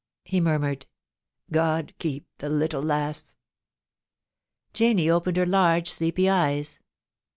he murmured. ' God keep the little lass!' Janie opened her large, sleepy eyes.